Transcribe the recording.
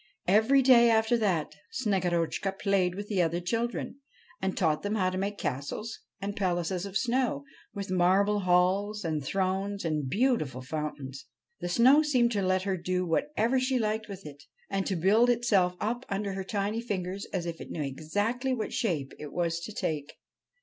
Every day after that Snegorotchka played with the other children, and taught them how to make castles and palaces of snow, with marble halls and thrones and beautiful fountains. The snow seemed to let her do whatever she liked with it, and to build itself up under her tiny fingers as if it knew exactly what shape it was to take.